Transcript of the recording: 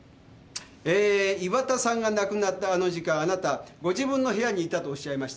えー岩田さんが亡くなったあの時間あなたご自分の「部屋にいた」とおっしゃいましたね。